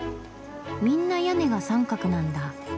みんな屋根が三角なんだ。